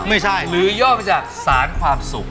ไม่ใช่หรือย่อมาจากสารความสุข